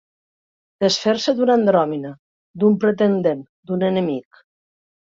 Desfer-se d'una andròmina, d'un pretendent, d'un enemic.